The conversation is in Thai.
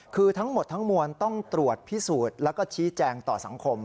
คือทั้งหมดทั้งมวลต้องตรวจพิสูจน์แล้วก็ชี้แจงต่อสังคม